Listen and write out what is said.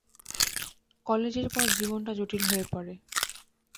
কলেজের পর জীবনটা জটিল হয়ে পড়ে।